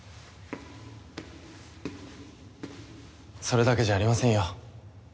それだけじゃありませんよ。